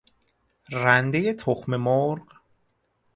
رنده تخم مرغ